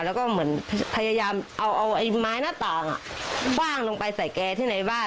แล้วก็เหมือนพยายามเอาไอ้ไม้หน้าต่างคว่างลงไปใส่แกที่ในบ้าน